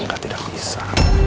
mereka tidak bisa